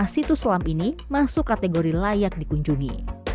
lima situs selam ini masuk kategori layak dikunjungi